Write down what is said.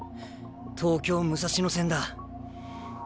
東京武蔵野戦だ。